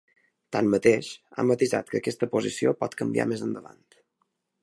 Tanmateix, ha matisat que aquesta posició pot canviar més endavant.